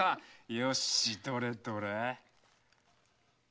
よしどれどれ。